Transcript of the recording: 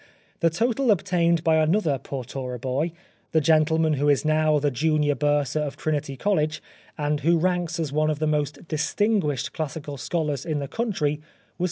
The total obtained by another Portora boy, the gentleman who is now the Junior Bursar of Trinity College, and who ranks as one of the most distinguished classical scholars in the country, was 65.